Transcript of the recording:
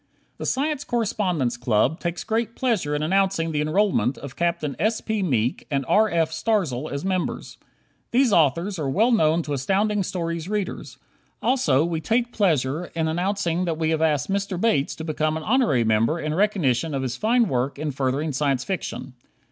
The Science Correspondence Club takes great pleasure in announcing the enrollment of Capt. S. P. Meek and R. F. Starzl as members. These authors are well known to Astounding Stories readers. Also, we take pleasure in announcing that we have asked Mr. Bates to become an honorary member in recognition of his fine work in furthering Science Fiction.